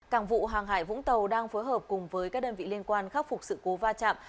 cảng vụ hàng hải vũng tàu đang phối hợp cùng với các đơn vị liên quan khắc phục sự cố va chạm